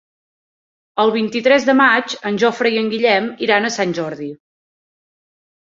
El vint-i-tres de maig en Jofre i en Guillem iran a Sant Jordi.